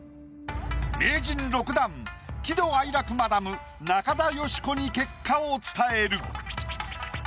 名人６段喜怒哀楽マダム中田喜子に結果を伝える。